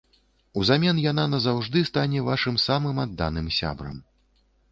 Узамен яна назаўжды стане вашым самым адданым сябрам.